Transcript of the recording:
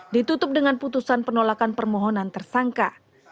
ditutup dengan putusan penolakan permohonan tersangka